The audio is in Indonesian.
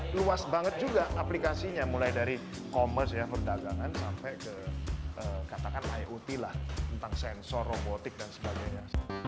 luas banget juga aplikasinya mulai dari commerce ya perdagangan sampai ke katakan iot lah tentang sensor robotik dan sebagainya